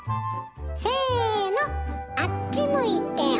せのあっち向いてホイ！